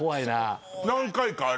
何回かある。